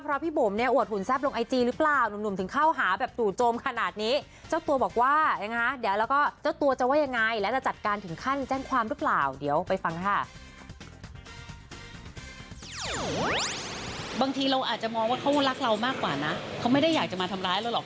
บางทีเราอาจจะมองว่าเขารักเรามากกว่านะเขาไม่ได้อยากจะมาทำร้ายเราหรอก